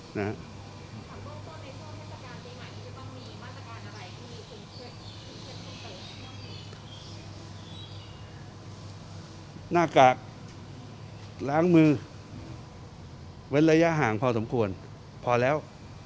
หน้ากากล้างมือเว้นระยะห่างพอสมควรพอแล้ว